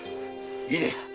いいね？〕